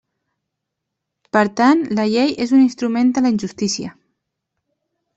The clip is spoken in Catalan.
Per tant, la llei és un instrument de la injustícia.